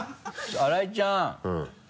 荒井ちゃん！